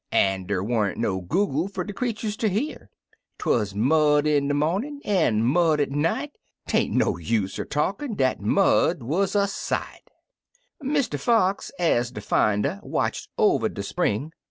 An' der wa'n't no google fer de creeturs ter hearj 'Twuz mud in de momin', an' mud at night — 'Tain't no use er talkin', dat mud wuz a sightl Mr. Fox, ez de tinder, watched over de spring.